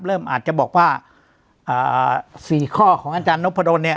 เริ่มอาจจะบอกว่าเอ่อสี่ข้อของอาจารย์นพดนเนี่ย